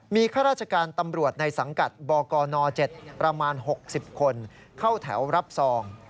มีข้าราชการตำรวจในสังกัดบกน๗ประมาณ๖๐คนเข้าแถวรับซอง